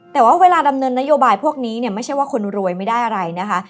แต่ว่าเวลาดำเนินนโยบายพวกนี้เนี่ยไม่ใช่ว่าคนรวยไม่ได้อะไรนะคะ